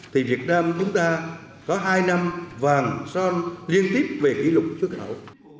thì việt nam chúng ta có hai năm vàng son liên tiếp về kỷ lục trúc khảo